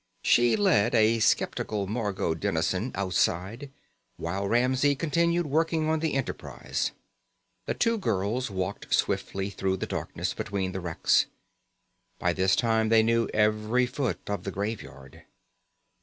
She led a sceptical Margot Dennison outside while Ramsey continued working on the Enterprise. The two girls walked swiftly through the darkness between the wrecks. By this time they knew every foot of the Graveyard.